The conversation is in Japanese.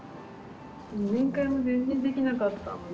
面会も全然できなかったので。